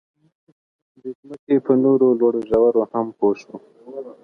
د ځمکې په نورو لوړو ژورو هم پوه شو.